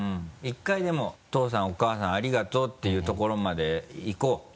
うん１回でも「お父さんお母さんありがとう」ていうところまでいこう。